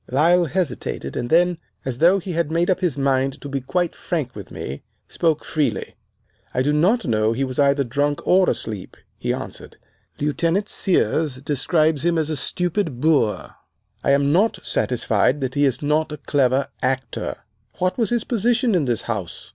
"Lyle hesitated, and then, as though he had made up his mind to be quite frank with me, spoke freely. "'I do not know that he was either drunk or asleep,' he answered. 'Lieutenant Sears describes him as a stupid boor. I am not satisfied that he is not a clever actor. What was his position in this house!